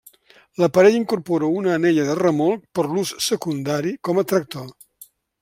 L'aparell incorpora una anella de remolc per l'ús secundari com a tractor.